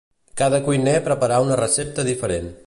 Cada cuiner preparà una recepta diferent.